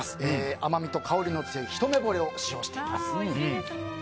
甘みと香りの強いひとめぼれを使用しています。